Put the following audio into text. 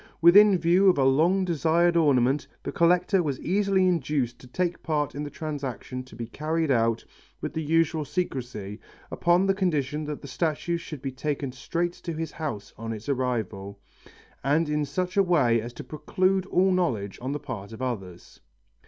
Within view of a long desired ornament, the collector was easily induced to take part in the transaction to be carried on with the usual secrecy, upon the condition that the statue should be taken straight to his house on its arrival, and in such a way as to preclude all knowledge on the part of others.